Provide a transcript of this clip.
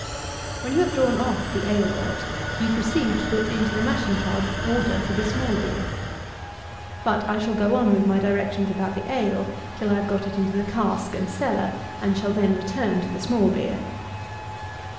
44. When you have drawn off the ale wort, you proceed to put into the mashing tub water for the small beer. But, I shall go on with my directions about the ale till I have got it into the cask and cellar; and shall then return to the small beer.